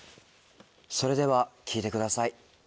それでは聴いてください。